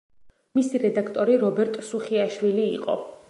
მისი რედაქტორი რობერტ სუხიაშვილი იყო.